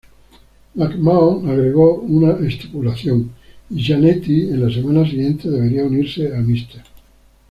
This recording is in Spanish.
McMahon agregó una estipulación, y Jannetty en la semana siguiente debería unirse a Mr.